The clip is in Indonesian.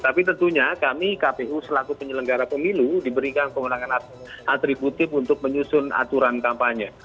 tapi tentunya kami kpu selaku penyelenggara pemilu diberikan kewenangan atributif untuk menyusun aturan kampanye